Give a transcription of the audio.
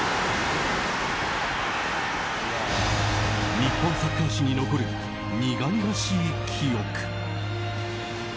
日本サッカー史に残る苦々しい記憶。